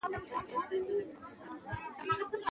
شپږم: ددې دمخه چي مړ سې، لومړی ژوند وکړه.